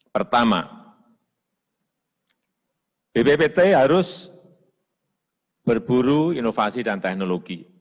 pertama bppt harus berburu inovasi dan teknologi